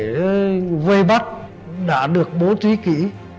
tổ chức lượng để vây bắt đã được bố trí kỹ